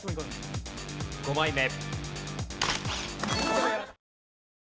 ５枚目。